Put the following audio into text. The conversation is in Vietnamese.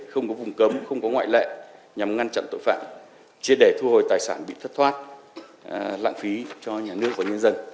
không có vùng cấm không có ngoại lệ nhằm ngăn chặn tội phạm chia để thu hồi tài sản bị thất thoát lãng phí cho nhà nước và nhân dân